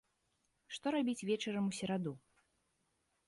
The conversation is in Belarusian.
Што рабіць вечарам у сераду?